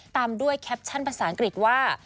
ตามด้วยแคปชั่นภาษาอังกฤษว่า